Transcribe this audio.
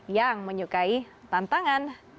yang menyukai tantangan